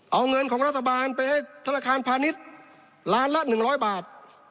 เอาเงินของรัฐบาลไปให้ธนาคารพาณิชย์ล้านละ๑๐๐บาท